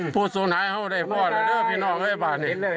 พูดสูงท้ายเข้าได้พ่อหรือเดี๋ยวพี่น้องให้ป่านี่